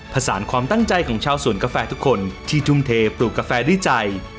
ผสานความตั้งใจของชาวสวนกาแฟทุกคนที่ทุ่มเทปลูกกาแฟด้วยใจ